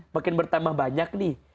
makin bertambah banyak nih